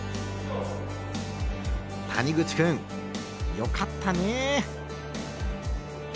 谷口君よかったね。